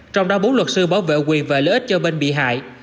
trong đó bốn luật sư bảo vệ quyền và lợi ích cho bên bị hại